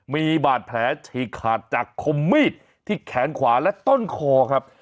มีบาดแผลฉีกขาดจากคมมีดที่แขนขวาและต้นคอครับ